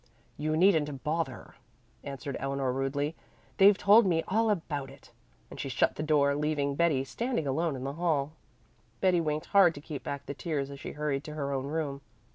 "You needn't bother," answered Eleanor rudely. "They've told me all about it," and she shut the door, leaving Betty standing alone in the hall. Betty winked hard to keep back the tears as she hurried to her own room.